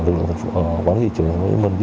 cục quản lý thị trường của mình